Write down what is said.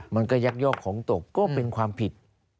มันก็ยักยอกของตกก็เป็นความผิด